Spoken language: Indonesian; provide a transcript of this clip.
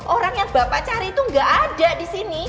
orang yang bapak cari itu gak ada disini